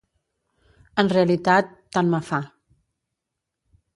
En realitat, tant me fa.